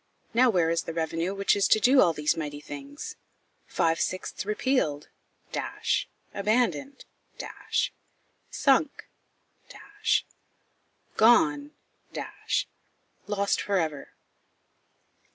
Now where is the revenue which is to do all these mighty things? Five sixths repealed abandoned sunk gone lost for ever.